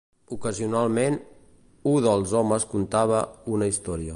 Ocasionalment, u dels homes contava una història.